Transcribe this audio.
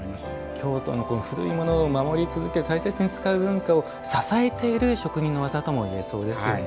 京都の古いものを守り続ける大切に使う文化を支えている職人のわざとも言えそうですよね。